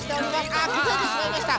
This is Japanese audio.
あくずれてしまいました。